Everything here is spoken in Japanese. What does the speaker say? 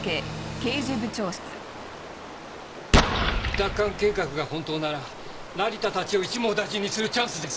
奪還計画が本当なら成田たちを一網打尽にするチャンスです！